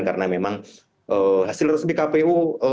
karena memang hasil resmi kpu